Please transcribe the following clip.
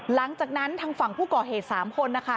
หลังจากนั้นทางฝั่งผู้ก่อเหตุ๓คนนะคะ